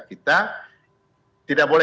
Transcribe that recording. kita tidak boleh